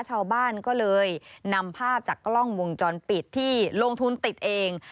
ชาวบ้านก็เลยนำภาพจากกล้องวงจรปิดที่ลงทุนติดเอง